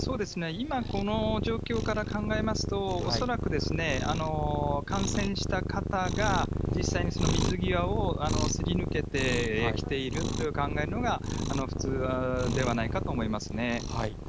今この状況から考えますと、恐らく感染した方が実際に水際をすり抜けてきているという考えのほうが、普通ではないかと思いますね。